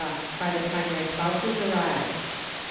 by the time their spouses arrive.